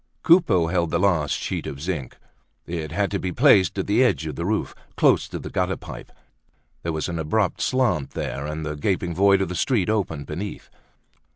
Coupeau held the last sheet of zinc. It had to be placed at the edge of the roof, close to the gutter pipe; there was an abrupt slant there, and the gaping void of the street opened beneath.